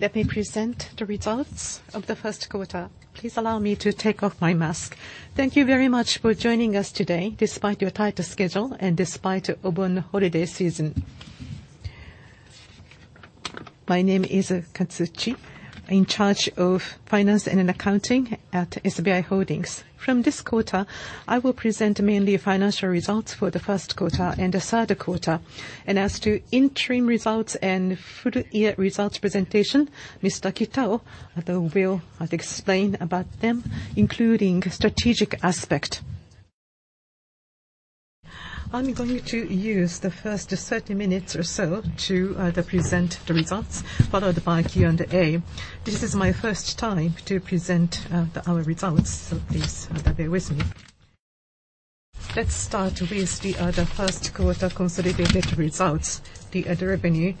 Let me present the results of the first quarter. Please allow me to take off my mask. Thank you very much for joining us today, despite your tight schedule and despite Obon holiday season. My name is Katsushi, in charge of finance and accounting at SBI Holdings. From this quarter, I will present mainly financial results for the first quarter and the third quarter. As to interim results and full year results presentation, Mr. Kitao will explain about them, including strategic aspect. I'm going to use the first 30 minutes or so to present the results, followed by Q&A. This is my first time to present our results, so please bear with me. Let's start with the first quarter consolidated results. The revenue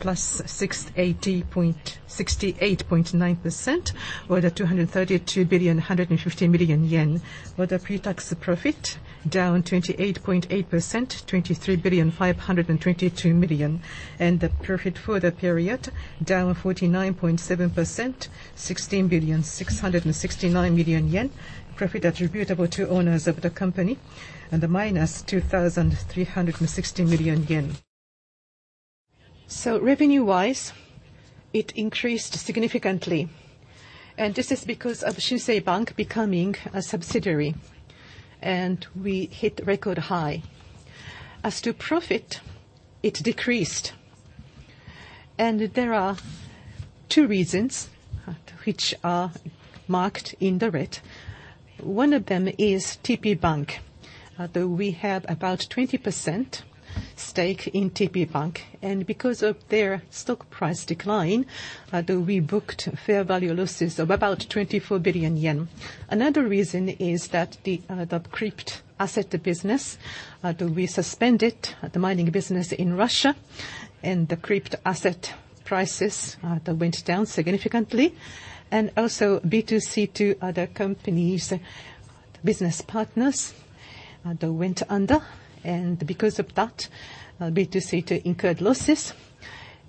plus 680 point. 68.9%, or JPY 232.15 billion. Pretax profit down 28.8%, JPY 23.522 billion. Profit for the period down 49.7%, 16.669 billion. Profit attributable to owners of the company, minus 2,360 million yen. Revenue-wise, it increased significantly, and this is because of Shinsei Bank becoming a subsidiary, and we hit record high. Profit decreased. There are two reasons which are marked in the red. One of them is TPBank. We have about 20% stake in TPBank, and because of their stock price decline, though we booked fair value losses of about 24 billion yen. Another reason is that the crypto asset business, though we suspended the mining business in Russia, and the crypto asset prices, they went down significantly. B2C2 other companies, business partners, they went under. B2C2 incurred losses,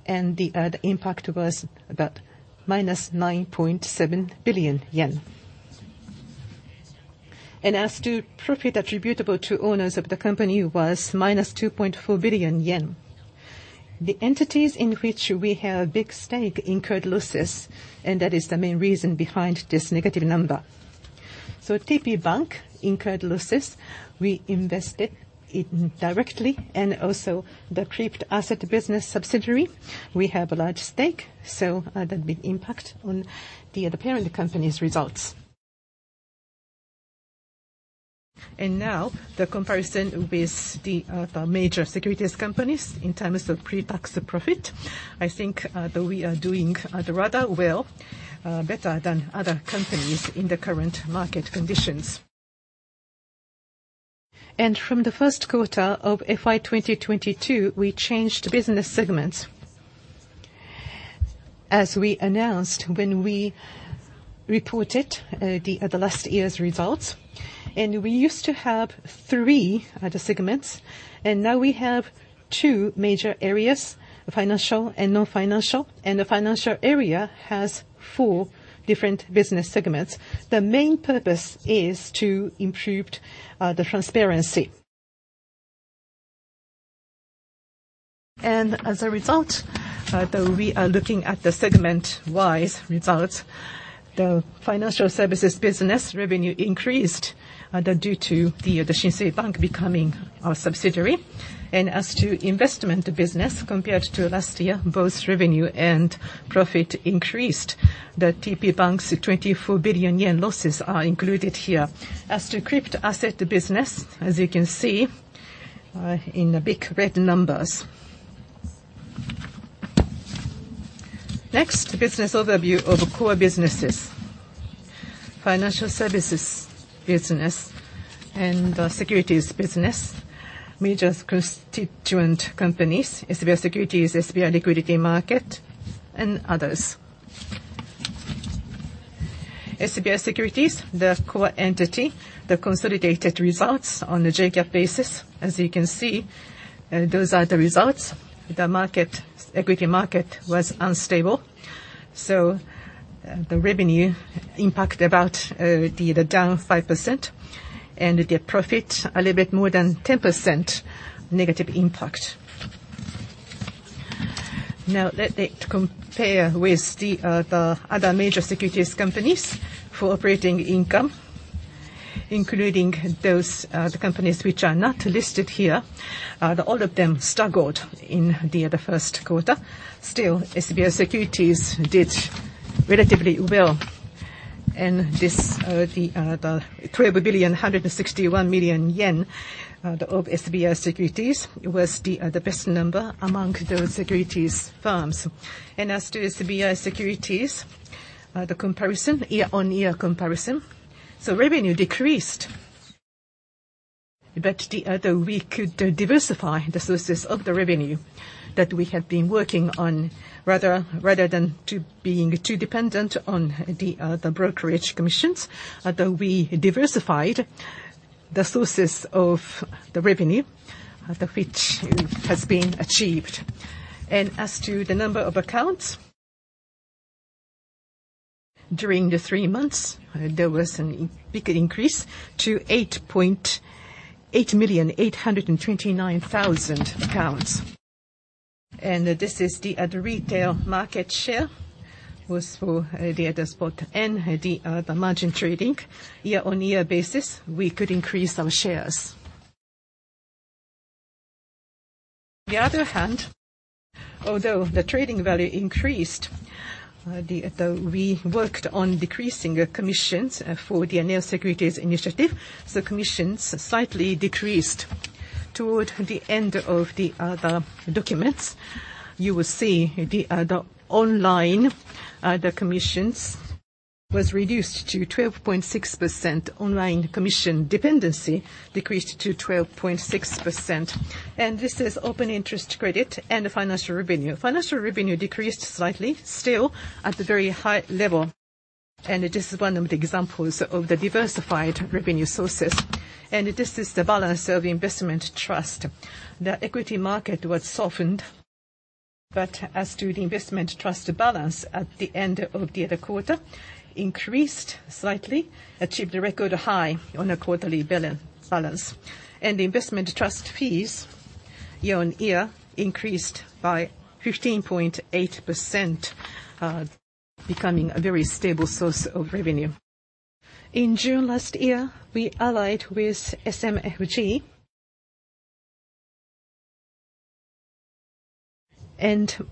and the impact was about -9.7 billion yen. As to profit attributable to owners of the company was -2.4 billion yen. The entities in which we have big stake incurred losses, and that is the main reason behind this negative number. TPBank incurred losses. We invested in directly, and also the crypto asset business subsidiary, we have a large stake, that had big impact on the parent company's results. The comparison with the major securities companies in terms of pre-tax profit. I think that we are doing rather well, better than other companies in the current market conditions. From the first quarter of FY 2022, we changed business segments. As we announced when we reported the last year's results, we used to have three other segments, and now we have two major areas, financial and non-financial, and the financial area has four different business segments. The main purpose is to improve the transparency. As a result, though we are looking at the segment-wise results, the financial services business revenue increased due to the Shinsei Bank becoming our subsidiary. As to investment business compared to last year, both revenue and profit increased. The TPBank's 24 billion yen losses are included here. As to crypto asset business, as you can see, in big red numbers. Next, business overview of core businesses. Financial services business and the securities business. Major constituent companies, SBI Securities, SBI Liquidity Market, and others. SBI Securities, the core entity, the consolidated results on the JGAAP basis. As you can see, those are the results. The market, equity market was unstable, the revenue impact about the down 5%, and the profit a little bit more than 10% negative impact. Now let me compare with the other major securities companies for operating income, including those companies which are not listed here. All of them struggled in the first quarter. Still, SBI Securities did relatively well. This 12 billion, 161 million yen of SBI Securities was the best number among the securities firms. As to SBI Securities, the year-on-year comparison. Revenue decreased, but we could diversify the sources of the revenue that we have been working on rather than being too dependent on the brokerage commissions. Though we diversified. The sources of the revenue, after which it has been achieved. As to the number of accounts during the three months, there was a big increase to 8,829,000 accounts. This is the other retail market share was for the other spot and the margin trading. Year-on-year basis, we could increase our shares. On the other hand, although the trading value increased, though we worked on decreasing commissions for the neo-securities initiative, the commissions slightly decreased. Toward the end of the documents, you will see the online commissions was reduced to 12.6%. Online commission dependency decreased to 12.6%. This is open interest credit and financial revenue. Financial revenue decreased slightly, still at a very high level, and it is one of the examples of the diversified revenue sources. This is the balance of the investment trust. The equity market was softened, but as to the investment trust balance at the end of the other quarter increased slightly, achieved a record high on a quarterly balance. Investment trust fees year-on-year increased by 15.8%, becoming a very stable source of revenue. In June last year, we allied with SMFG.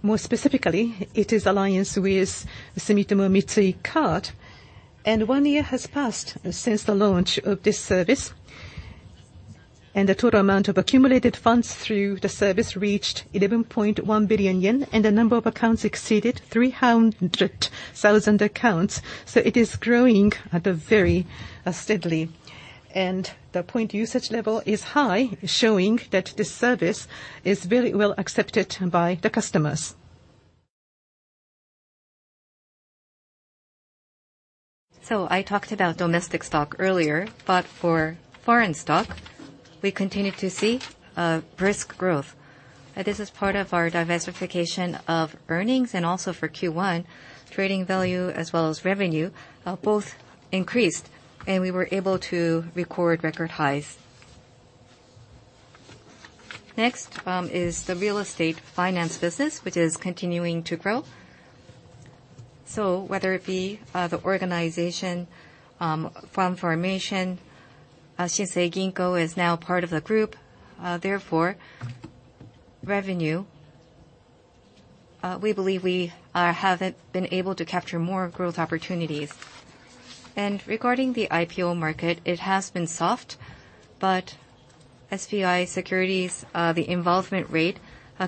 More specifically, it is alliance with Sumitomo Mitsui Card, and one year has passed since the launch of this service. The total amount of accumulated funds through the service reached 11.1 billion yen, and the number of accounts exceeded 300,000 accounts. It is growing at a very steadily. The point usage level is high, showing that this service is very well accepted by the customers. I talked about domestic stock earlier, but for foreign stock, we continue to see brisk growth. This is part of our diversification of earnings and also for Q1, trading value as well as revenue both increased, and we were able to record record highs. Next is the real estate finance business, which is continuing to grow. Whether it be the organization, fund formation, Shinsei Bank is now part of the group, therefore revenue, we believe we have been able to capture more growth opportunities. Regarding the IPO market, it has been soft, but SBI Securities, the involvement rate,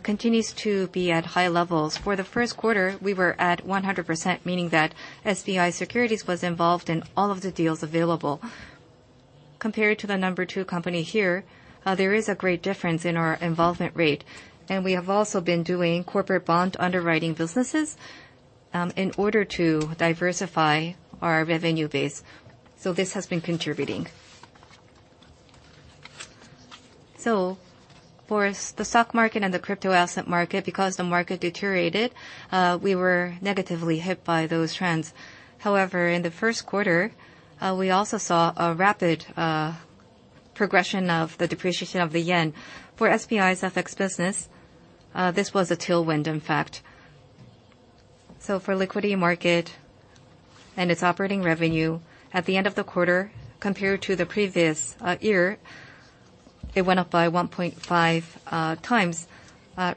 continues to be at high levels. For the first quarter, we were at 100%, meaning that SBI Securities was involved in all of the deals available. Compared to the number two company here, there is a great difference in our involvement rate, and we have also been doing corporate bond underwriting businesses, in order to diversify our revenue base. This has been contributing. For the stock market and the crypto asset market, because the market deteriorated, we were negatively hit by those trends. However, in the first quarter, we also saw a rapid progression of the depreciation of the yen. For SBI's FX business, this was a tailwind, in fact. For SBI Liquidity Market and its operating revenue, at the end of the quarter, compared to the previous year, it went up by 1.5 times,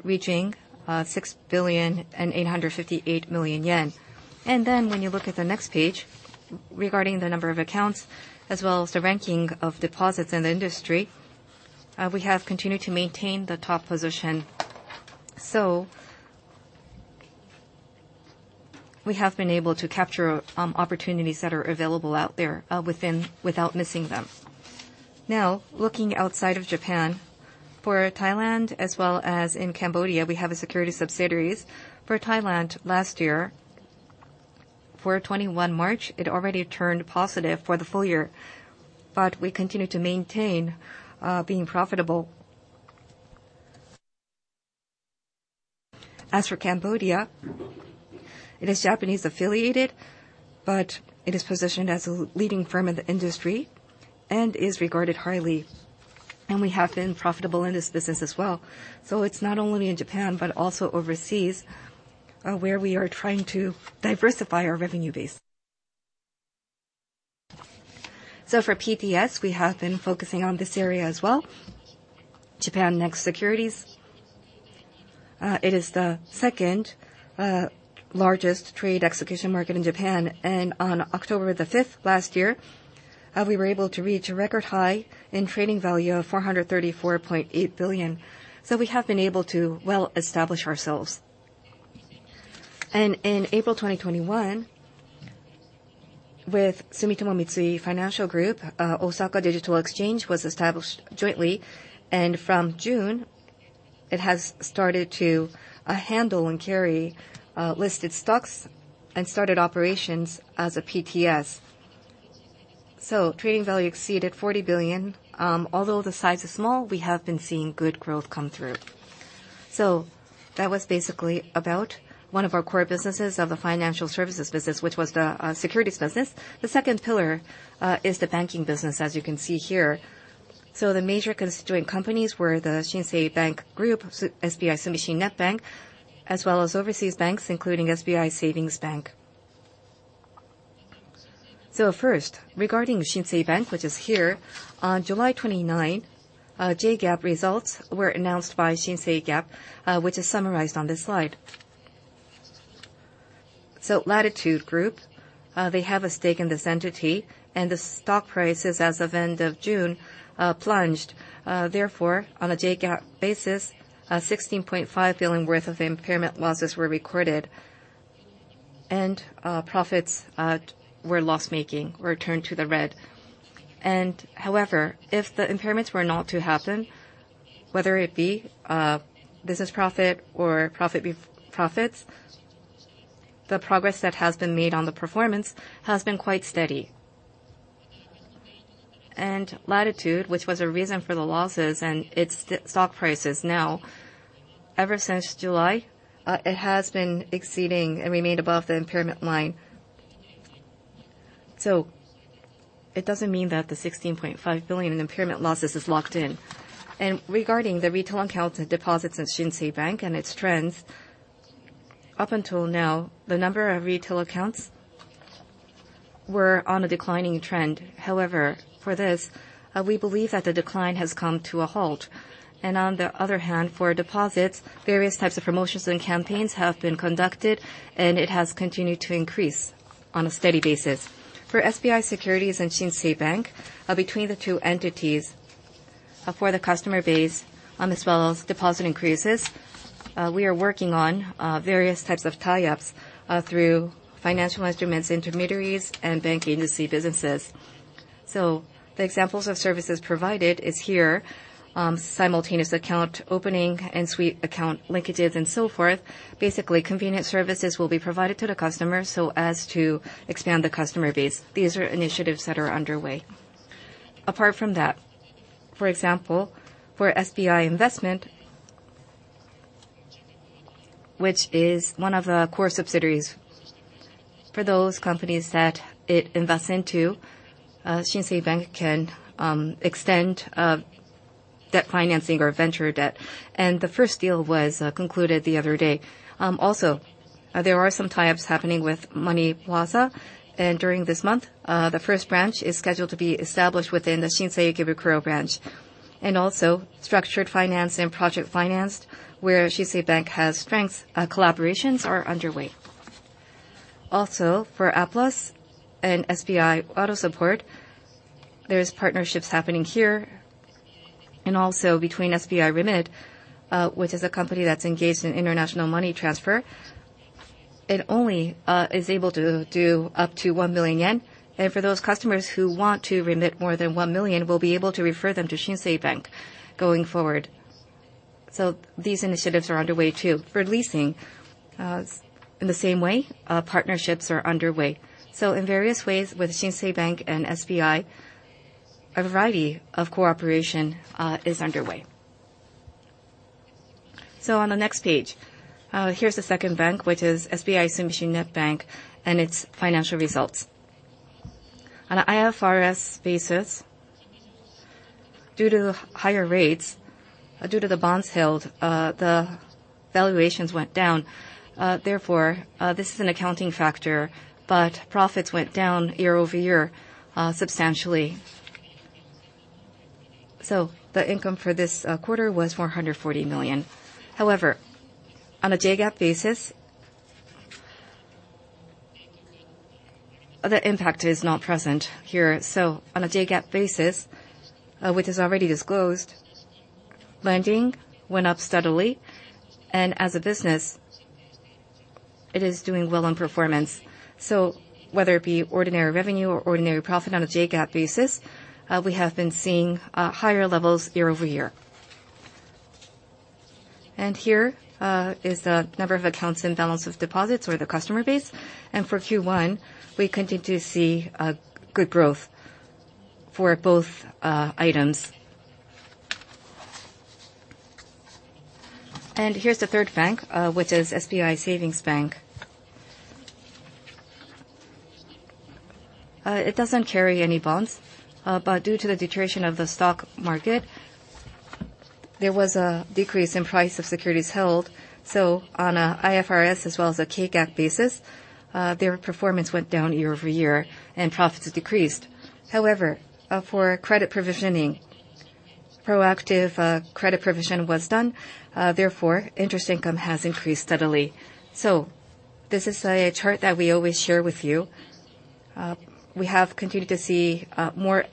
reaching 6.858 billion. When you look at the next page, regarding the number of accounts as well as the ranking of deposits in the industry, we have continued to maintain the top position. We have been able to capture opportunities that are available out there without missing them. Now, looking outside of Japan, for Thailand as well as in Cambodia, we have securities subsidiaries. For Thailand last year, for March 21, it already turned positive for the full year, but we continue to maintain being profitable. As for Cambodia, it is Japanese-affiliated, but it is positioned as a leading firm in the industry and is regarded highly. We have been profitable in this business as well. It's not only in Japan, but also overseas, where we are trying to diversify our revenue base. For PTS, we have been focusing on this area as well. Japannext Securities, it is the second largest trade execution market in Japan. On October the 5th last year, we were able to reach a record high in trading value of 434.8 billion. We have been able to well establish ourselves. In April 2021, with Sumitomo Mitsui Financial Group, Osaka Digital Exchange was established jointly. From June, it has started to handle and carry listed stocks and started operations as a PTS. Trading value exceeded 40 billion. Although the size is small, we have been seeing good growth come through. That was basically about one of our core businesses of the financial services business, which was the securities business. The second pillar is the banking business, as you can see here. The major constituent companies were the Shinsei Bank Group, SBI Sumishin Net Bank, as well as overseas banks, including SBI Savings Bank. First, regarding Shinsei Bank, which is here, on July 29, JGAAP results were announced by Shinsei Bank, which is summarized on this slide. Latitude Group, they have a stake in this entity, and the stock prices as of end of June plunged. Therefore, on a JGAAP basis, 16.5 billion worth of impairment losses were recorded and, profits, were loss-making or turned to the red. However, if the impairments were not to happen, whether it be, business profit or profit be-profits, the progress that has been made on the performance has been quite steady. Latitude, which was a reason for the losses and its stock prices now, ever since July, it has been exceeding and remained above the impairment line. It doesn't mean that the 16.5 billion in impairment losses is locked in. Regarding the retail accounts and deposits at Shinsei Bank and its trends, up until now, the number of retail accounts were on a declining trend. However, for this, we believe that the decline has come to a halt. On the other hand, for deposits, various types of promotions and campaigns have been conducted, and it has continued to increase on a steady basis. For SBI Securities and Shinsei Bank, between the two entities, for the customer base, as well as deposit increases, we are working on various types of tie-ups through financial instruments, intermediaries, and bank agency businesses. The examples of services provided is here, simultaneous account opening and suite account linkages and so forth. Basically, convenient services will be provided to the customer so as to expand the customer base. These are initiatives that are underway. Apart from that, for example, for SBI Investment, which is one of the core subsidiaries, for those companies that it invests into, Shinsei Bank can extend debt financing or venture debt. The first deal was concluded the other day. There are some tie-ups happening with Money Plaza, and during this month, the first branch is scheduled to be established within the Shinsei Bank, Ikebukuro Branch. Structured finance and project finance, where Shinsei Bank has strengths, collaborations are underway. For APLUS and SBI AutoSupport, there's partnerships happening here, and also between SBI Remit, which is a company that's engaged in international money transfer. It only is able to do up to 1 million yen. For those customers who want to remit more than 1 million, we'll be able to refer them to Shinsei Bank going forward. These initiatives are underway too. For leasing, in the same way, partnerships are underway. In various ways with Shinsei Bank and SBI, a variety of cooperation is underway. On the next page, here's the second bank, which is SBI Sumishin Net Bank, and its financial results. On an IFRS basis, due to higher rates, due to the bonds held, the valuations went down. Therefore, this is an accounting factor, but profits went down year-over-year, substantially. The income for this quarter was 440 million. However, on a JGAAP basis, the impact is not present here. On a JGAAP basis, which is already disclosed, lending went up steadily, and as a business, it is doing well on performance. Whether it be ordinary revenue or ordinary profit on a JGAAP basis, we have been seeing higher levels year-over-year. Here is the number of accounts and balance of deposits or the customer base. For Q1, we continue to see good growth for both items. Here's the third bank, which is SBI Savings Bank. It doesn't carry any bonds, but due to the deterioration of the stock market, there was a decrease in price of securities held. On a IFRS as well as a KGAAP basis, their performance went down year-over-year and profits decreased. However, for credit provisioning, proactive credit provision was done, therefore, interest income has increased steadily. This is a chart that we always share with you. We have continued to see more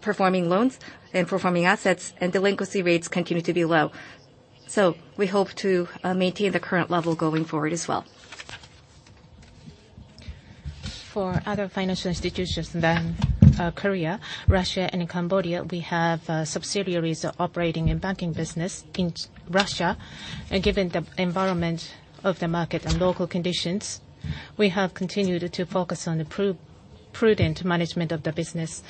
performing loans and performing assets, and delinquency rates continue to be low. We hope to maintain the current level going forward as well. For other financial institutions than Korea, Russia, and Cambodia, we have subsidiaries operating in banking business. In Russia, given the environment of the market and local conditions, we have continued to focus on the prudent management of the business.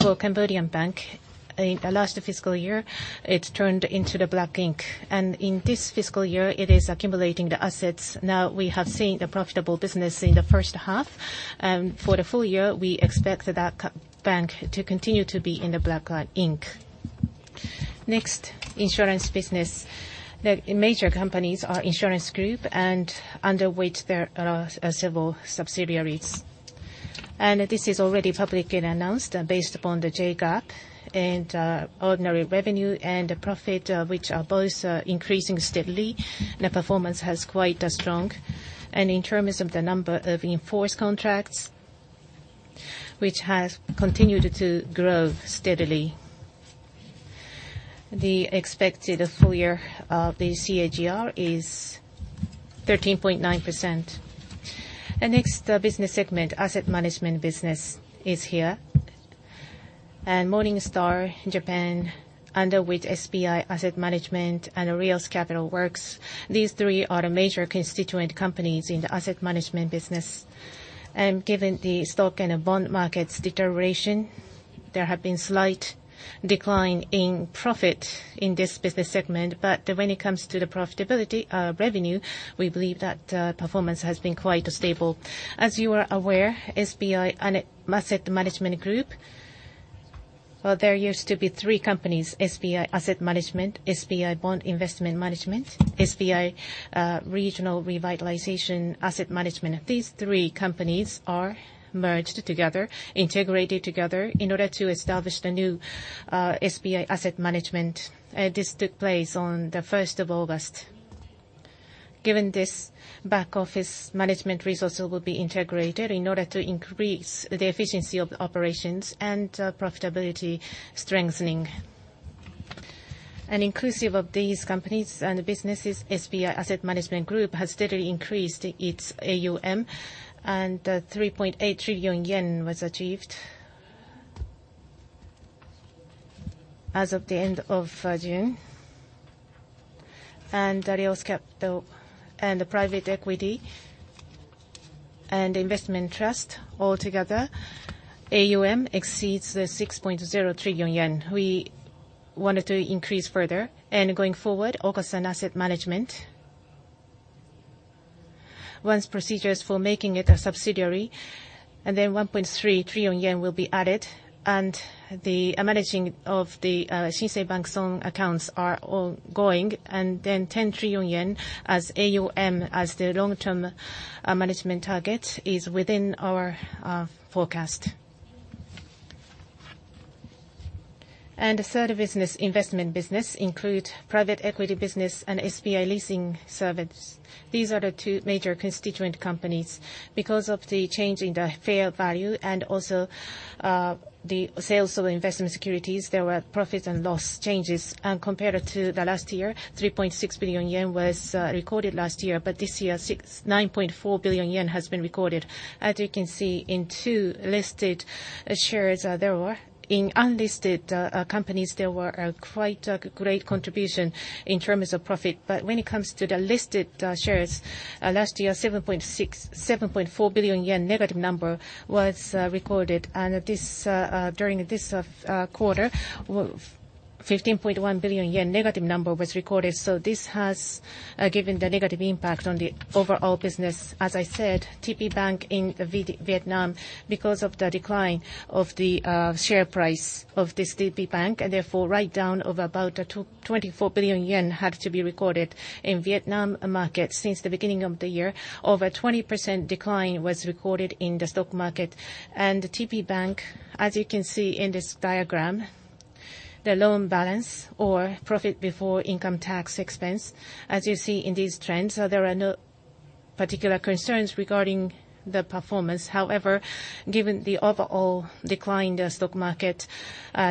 For Cambodian bank, in the last fiscal year, it's turned into the black ink, and in this fiscal year it is accumulating the assets. Now we have seen the profitable business in the first half, and for the full year, we expect that bank to continue to be in the black ink. Next, insurance business. The major companies are SBI Insurance Group, and under it, there are several subsidiaries. This is already publicly announced based upon the JGAAP, and ordinary revenue and the profit, which are both increasing steadily, the performance has quite a strong. In terms of the number of enforced contracts, which has continued to grow steadily. The expected full year, the CAGR is 13.9%. The next business segment, asset management business is here. Morningstar Japan, and SBI Asset Management and Real Capital Works, these three are the major constituent companies in the asset management business. Given the stock and bond market's deterioration, there have been slight decline in profit in this business segment. When it comes to the profitability, revenue, we believe that, performance has been quite stable. As you are aware, SBI Asset Management Group, well, there used to be three companies, SBI Asset Management, SBI Bond Investment Management, SBI Regional Revitalization Asset Management. These three companies are merged together, integrated together in order to establish the new, SBI Asset Management. This took place on the first of August. Given this back office management resources will be integrated in order to increase the efficiency of operations and profitability strengthening. Inclusive of these companies and businesses, SBI Asset Management Group has steadily increased its AUM, and 3.8 trillion yen was achieved as of the end of June. Real Capital Works and the private equity and investment trust all together, AUM exceeds the 6.0 trillion yen. We wanted to increase further. Going forward, Okasan Asset Management, once procedures for making it a subsidiary, and then 1.3 trillion yen will be added, and the managing of the Shinsei Bank own accounts are all going. Then 10 trillion yen as AUM, as the long-term management target is within our forecast. Third business, investment business, includes private equity business and SBI Leasing Services. These are the two major constituent companies. Because of the change in the fair value and also the sales of investment securities, there were profit and loss changes. Compared to the last year, 3.6 billion yen was recorded last year, but this year, 9.4 billion yen has been recorded. As you can see, in two listed shares, there were. In unlisted companies, there was quite a great contribution in terms of profit. But when it comes to the listed shares, last year, -7.4 billion yen was recorded. During this quarter, -15.1 billion yen was recorded. This has given the negative impact on the overall business. As I said, TPBank in Vietnam, because of the decline of the share price of this TPBank, and therefore write down of about 24 billion yen had to be recorded. In Vietnam market since the beginning of the year, over 20% decline was recorded in the stock market. TPBank, as you can see in this diagram, the loan balance or profit before income tax expense, as you see in these trends, there are no particular concerns regarding the performance. However, given the overall decline in the stock market,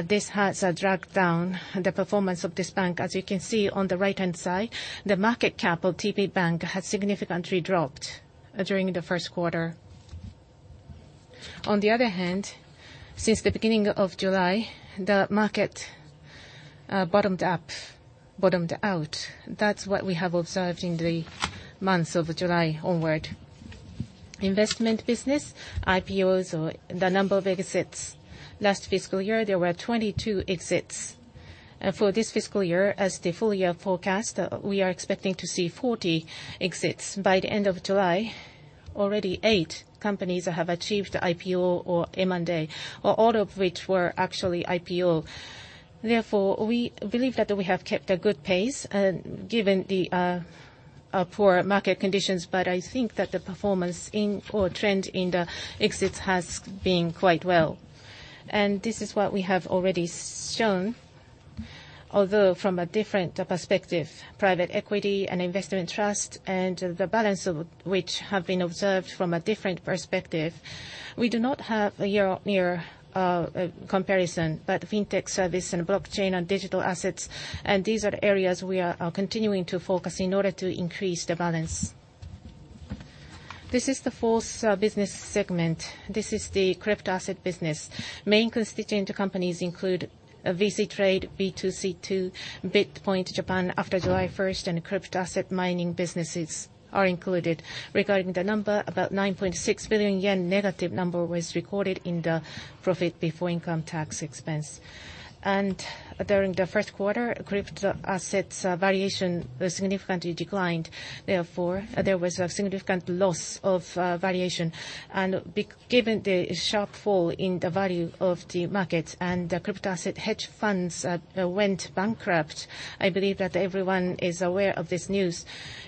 this has dragged down the performance of this bank. As you can see on the right-hand side, the market cap of TPBank has significantly dropped during the first quarter. On the other hand, since the beginning of July, the market bottomed out. That's what we have observed in the months of July onward. Investment business, IPOs or the number of exits. Last fiscal year, there were 22 exits. For this fiscal year, as the full year forecast, we are expecting to see 40 exits. By the end of July, already eight companies have achieved IPO or M&A, all of which were actually IPO. Therefore, we believe that we have kept a good pace, given the poor market conditions, but I think that the performance or trend in the exits has been quite well. This is what we have already shown, although from a different perspective, private equity and investment trust and the balance of which have been observed from a different perspective. We do not have a year-on-year comparison, but fintech service and blockchain and digital assets, and these are the areas we are continuing to focus in order to increase the balance. This is the fourth business segment. This is the crypto asset business. Main constituent companies include VC Trade, B2C2, BITPoint Japan after July 1st, and crypto asset mining businesses are included. Regarding the number, about -9.6 billion yen was recorded in the profit before income tax expense. During the first quarter, crypto assets valuation significantly declined, therefore, there was a significant loss of valuation. Given the sharp fall in the value of the market and the crypto asset hedge funds went bankrupt, I believe that everyone is aware of this news.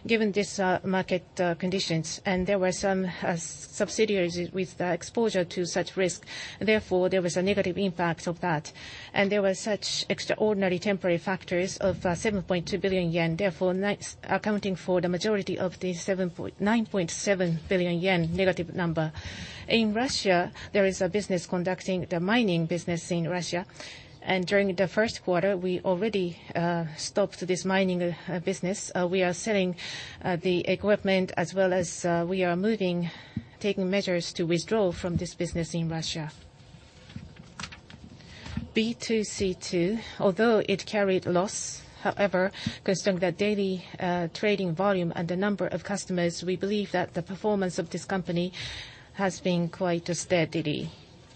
Given this, market conditions, and there were some subsidiaries with the exposure to such risk, therefore, there was a negative impact of that. There were such extraordinary temporary factors of 7.2 billion yen, therefore, accounting for the majority of the -9.7 billion yen. In Russia, there is a business conducting the mining business in Russia, and during the first quarter, we already stopped this mining business. We are selling the equipment as well as we are moving, taking measures to withdraw from this business in Russia. B2C2, although it carried loss, however, considering the daily trading volume and the number of customers, we believe that the performance of this company has been quite steady.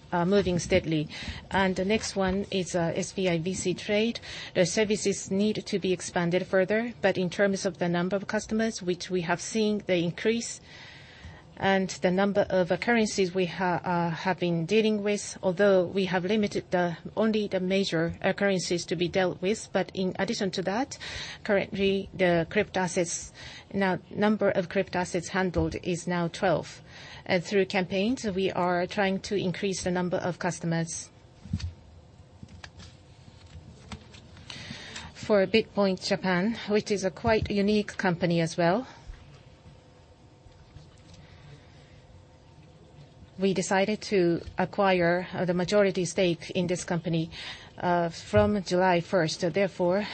The next one is SBI VC Trade. Their services need to be expanded further, but in terms of the number of customers which we have seen the increase and the number of currencies we have been dealing with, although we have limited only the major currencies to be dealt with. In addition to that, currently the number of crypto assets handled is 12. Through campaigns, we are trying to increase the number of customers. For BITPoint Japan, which is a quite unique company as well, we decided to acquire the majority stake in this company from July 1st. Therefore,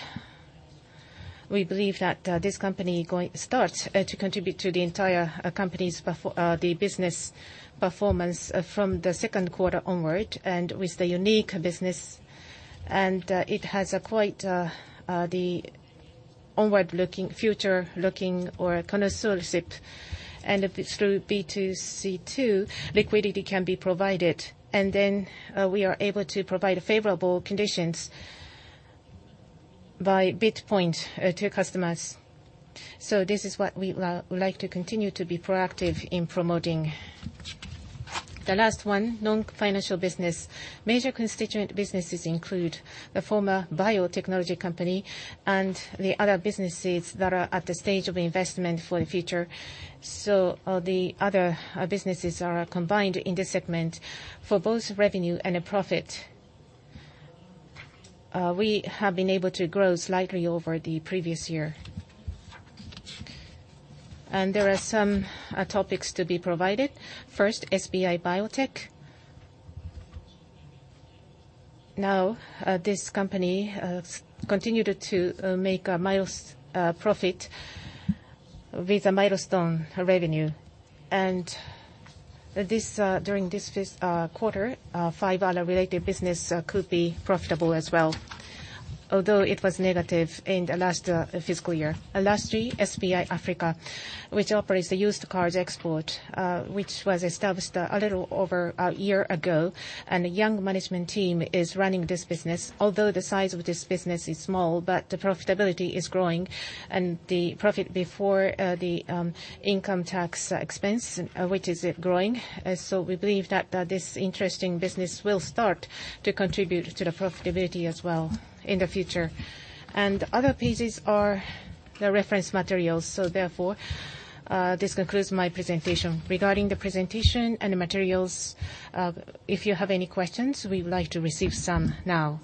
we believe that this company start to contribute to the entire company's business performance from the second quarter onward and with the unique business. It has a quite the forward-looking, future-looking or forward-looking. If it's through B2C2, liquidity can be provided. Then we are able to provide favorable conditions by BITPoint to customers. This is what we like to continue to be proactive in promoting. The last one, non-financial business. Major constituent businesses include the former biotechnology company and the other businesses that are at the stage of investment for the future. The other businesses are combined in this segment. For both revenue and profit, we have been able to grow slightly over the previous year. There are some topics to be provided. First, SBI Biotech. Now this company has continued to make a milestone profit with a milestone revenue. This during this fiscal quarter, five other related businesses could be profitable as well, although it was negative in the last fiscal year. Lastly, SBI Africa, which operates the used cars export, which was established a little over a year ago, and a young management team is running this business. Although the size of this business is small, but the profitability is growing and the profit before the income tax expense, which is growing. We believe that this interesting business will start to contribute to the profitability as well in the future. Other pages are the reference materials. Therefore, this concludes my presentation. Regarding the presentation and the materials, if you have any questions, we would like to receive some now.